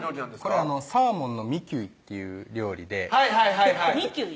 これサーモンのミキュイっていう料理ではいはいはいはいミキュイ？